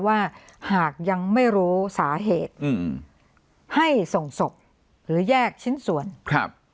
ว่าหากยังไม่รู้สาเหตุอืมให้ส่งศพหรือแยกชิ้นส่วนครับ